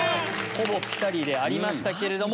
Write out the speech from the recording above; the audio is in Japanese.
ほぼピタリでありましたけれども。